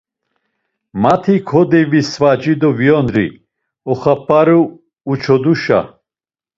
Mati kodevisvaci do viyondri oxap̌aru uçoduşa.